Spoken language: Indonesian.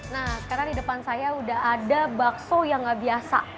nah karena di depan saya sudah ada bakso yang nggak biasa